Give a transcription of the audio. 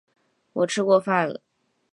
我吃过饭了